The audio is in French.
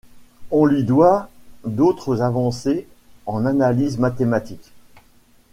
On lui doit d'autres avancées en analyse mathématique.